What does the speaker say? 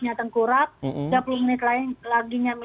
nyateng kurap tiga puluh menit lagi